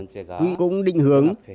cơ sở hạ tầng này cũng định hướng